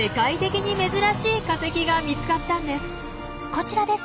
こちらです。